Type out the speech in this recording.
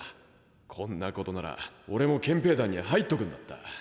こんなことなら俺も憲兵団に入っとくんだった。